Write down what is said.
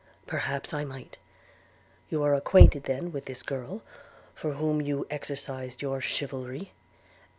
'Perhaps I might. You are acquainted then with this girl, for whom you exercised your chivalry?'